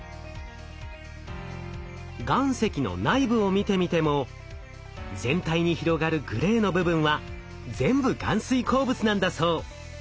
岩石の内部を見てみても全体に広がるグレーの部分は全部含水鉱物なんだそう。